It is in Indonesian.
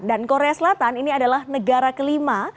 dan korea selatan ini adalah negara kelima